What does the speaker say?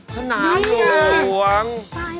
สนามลูกหวง